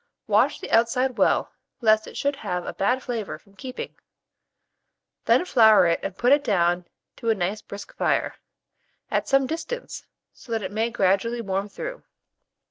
Wash the outside well, lest it should have a bad flavour from keeping; then flour it and put it down to a nice brisk fire, at some distance, so that it may gradually warm through.